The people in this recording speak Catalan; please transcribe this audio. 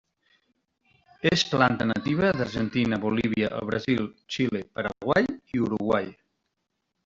És planta nativa d'Argentina, Bolívia, el Brasil, Xile, Paraguai i Uruguai.